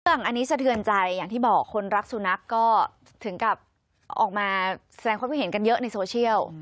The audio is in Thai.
เรื่องนี้สะเทือนใจอย่างที่บอกคนรักสุนัขก็ถึงกับออกมาแสดงความคิดเห็นกันเยอะในโซเชียล